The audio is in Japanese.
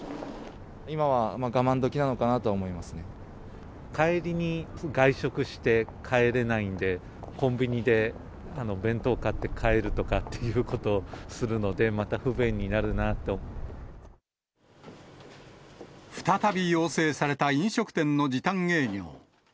今は我慢どきなのかなとは思帰りに外食して帰れないんで、コンビニで弁当買って帰るとかっていうことをするので、また不便再び要請された飲食店の時短営業。